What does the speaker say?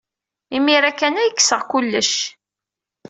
Imir-a kan ay kkseɣ kullec.